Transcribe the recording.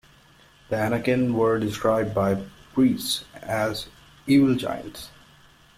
The Anakim were described by priests as evil giants.